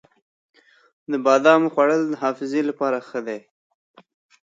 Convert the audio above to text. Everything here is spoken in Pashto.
د بادامو خوړل د حافظې لپاره ښه دي.